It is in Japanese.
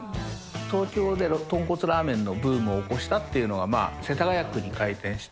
東京での豚骨ラーメンのブームを起こしたっていうのが、まあ、世田谷区に開店した